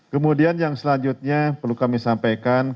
kemudian yang selanjutnya perlu kami sampaikan